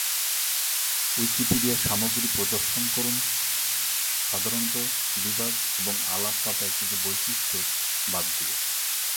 Wikipedia সামগ্রী প্রদর্শন করুন, সাধারণত বিভাগ এবং আলাপ পাতায় কিছু বৈশিষ্ট্য বাদ দিয়ে।